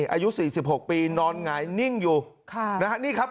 อายุสี่สิบหกปีนอนหงายนิ่งอยู่ค่ะนะฮะนี่ครับ